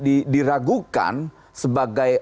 kedua ketika dia diragukan sebagai tokoh